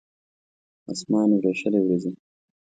اسمان وریشلې وریځې